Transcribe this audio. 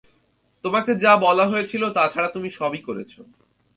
তোমাকে যা বলা হয়েছিল তা ছাড়া তুমি সবই করেছ।